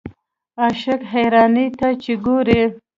عاشق حیرانۍ ته چې ګورې.